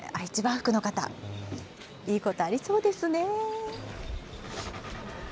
いいことありそうですね。